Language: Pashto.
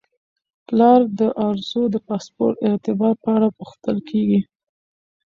پلار د ارزو د پاسپورت د اعتبار په اړه پوښتل کیږي.